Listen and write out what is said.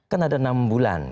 kan ada enam bulan